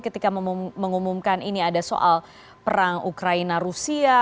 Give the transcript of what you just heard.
ketika mengumumkan ini ada soal perang ukraina rusia